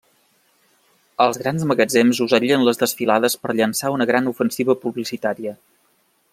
Els grans magatzems usarien les desfilades per llançar una gran ofensiva publicitària.